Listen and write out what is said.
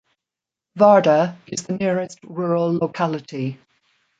Varda is the nearest rural locality.